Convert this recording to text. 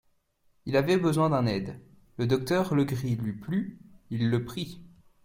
Il avait besoin d'un aide, le docteur Legris lui plut, il le prit.